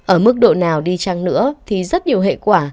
ở mức độ nào đi chăng nữa thì rất nhiều hệ quả